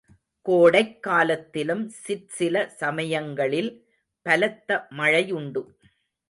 கோடைக்காலத்திலும் சிற்சில சமயங்களில் பலத்த மழையுண்டு.